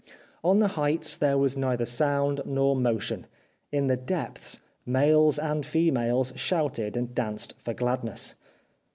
On the heights there was neither sound nor motion : in the depths males and females shouted and danced for gladness.